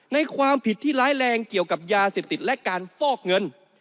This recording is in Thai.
ในความผิดที่ร้ายแรงเกี่ยวกับยาเสพติดและการฟอกเงิน